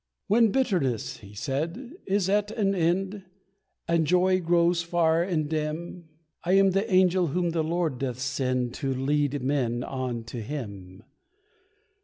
"When bitterness," he said, "is at an end, And joy grows far and dim, I am the angel whom the Lord doth send To lead men on to Him.